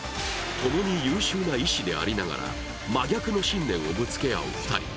ともに優秀な医師でありながら真逆の信念をぶつける２人。